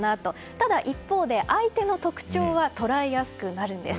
ただ、一方で相手の特徴は捉えやすくなるんです。